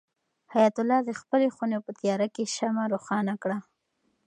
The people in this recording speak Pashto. حیات الله د خپلې خونې په تیاره کې شمع روښانه کړه.